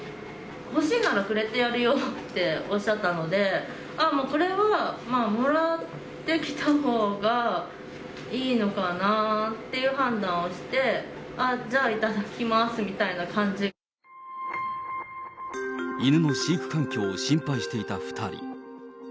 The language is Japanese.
欲しいならくれてやるよって、おっしゃったので、ああ、もうこれは、もらってきたほうがいいのかなっていう判断をして、ああ、じゃあ、犬の飼育環境を心配していた２人。